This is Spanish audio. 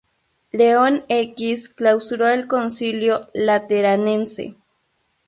León X clausuró el concilio Lateranense.